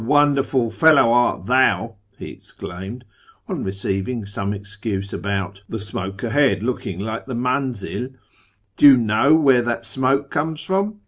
A wonderful fellow art thou," he exclaimed (on receiving some excuse about " the smoke ahead looking like the manzil ");" do you know where that smoke comes from